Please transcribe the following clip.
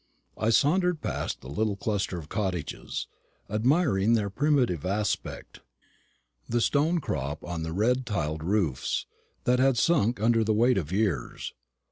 I sauntered past the little cluster of cottages, admiring their primitive aspect, the stone crop on the red tiled roofs, that had sunk under the weight of years.